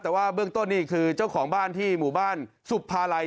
แต่ว่าเบื้องต้นนี่คือเจ้าของบ้านที่หมู่บ้านสุภาลัย